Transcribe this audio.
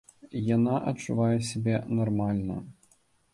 Яна адчувае сябе нармальна.